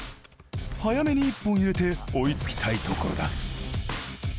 早めに１本入れて追いつきたいところだ。